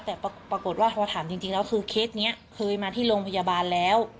แต่ปรากฏว่าพอถามจริงแล้วคือเคสนี้เคยมาที่โรงพยาบาลแล้ว